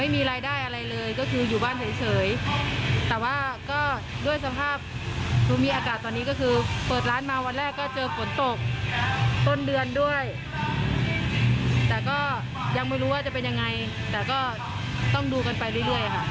แต่ก็ยังไม่รู้ว่าจะเป็นอย่างไรแต่ก็ต้องดูกันไปเรื่อยค่ะ